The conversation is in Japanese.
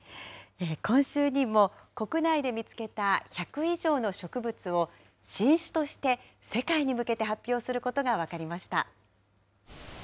今週にも国内で見つけた１００以上の植物を新種として世界に向けて発表することが分かりました。